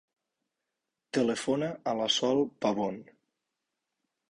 Telefona a la Sol Pavon.